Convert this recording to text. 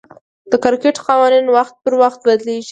د کرکټ قوانين وخت پر وخت بدليږي.